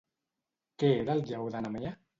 Què era el Lleó de Nemea?